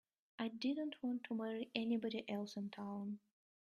I didn't want to marry anybody else in town.